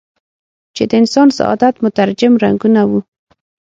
چې د انسان سعادت مترجم رنګونه وو.